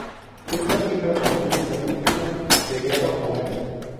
Estas cifras contienen las víctimas de guerra polacas.